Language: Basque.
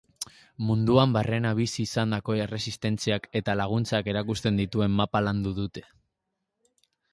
Munduan barrena bizi izandako erresistentziak eta laguntzak erakusten dituen mapa landu dute.